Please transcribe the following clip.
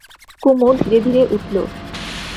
কুমু ধীরে ধীরে উঠল।